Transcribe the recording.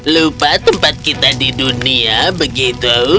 lupa tempat kita di dunia begitu